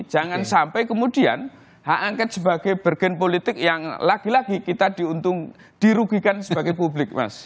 jangan sampai kemudian hak angket sebagai bergen politik yang lagi lagi kita dirugikan sebagai publik mas